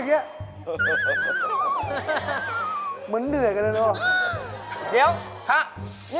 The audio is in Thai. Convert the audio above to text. แล้วเราเคยนอนหลับไหม